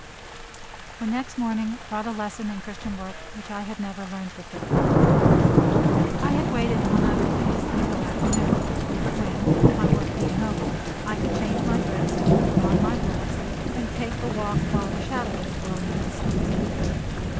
The next morning brought a lesson in Christian work which I had never learned before. I had waited on other days until afternoon, when, my work being over, I could change my dress, put on my gloves, and take a walk while the shadows were on the hillsides.